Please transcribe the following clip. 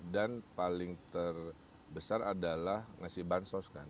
dan paling terbesar adalah ngasih bansos kan